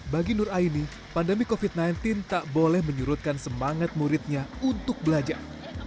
bagi nur aini pandemi covid sembilan belas tak boleh menyurutkan semangat muridnya untuk belajar